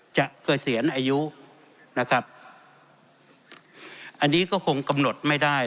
จะเกษียณอายุอันนี้ก็คงกำหนดไม่ได้